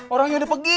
orangnya udah pergi